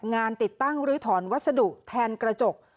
งานติดตั้งลื้อถอนวัสดุแทนกระจก